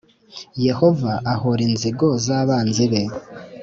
Yehova ahora inzigo zabanzi be